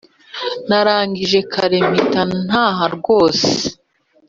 Narangije kare mpita naha rwose